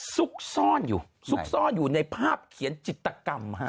ซุกซ่อนอยู่ซุกซ่อนอยู่ในภาพเขียนจิตกรรมฮะ